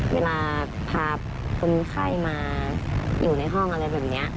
เวลาพาคนไข้มาอยู่ในห้องอะไรแบบนี้